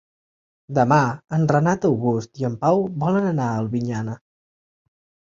Demà en Renat August i en Pau volen anar a Albinyana.